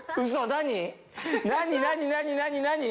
何何何何何？